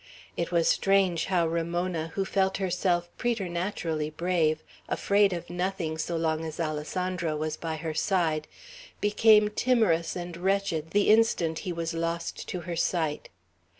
It was strange how Ramona, who felt herself preternaturally brave, afraid of nothing, so long as Alessandro was by her side, became timorous and wretched the instant he was lost to her sight.